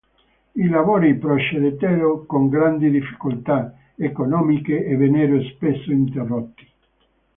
I lavori procedettero con grandi difficoltà economiche e vennero spesso interrotti.